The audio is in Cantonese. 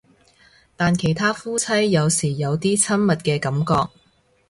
但其他夫妻有時有啲親密嘅感覺